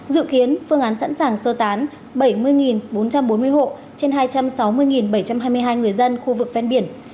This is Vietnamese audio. dự kiến phương án sẵn sàng sơ tán bảy mươi bốn trăm bốn mươi hộ trên hai trăm sáu mươi bảy trăm hai mươi hai người dân khu vực ven biển